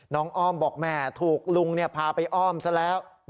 อ้อมบอกแม่ถูกลุงพาไปอ้อมซะแล้ว